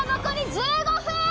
残り１５分！